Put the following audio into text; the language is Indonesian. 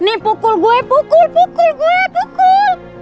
ini pukul gue pukul pukul gue pukul